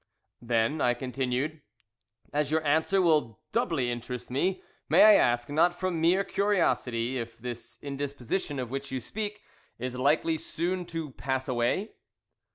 "Then," I continued, "as your answer will doubly interest me, may I ask, not from mere curiosity, if this indisposition of which you speak is likely soon to pass away?"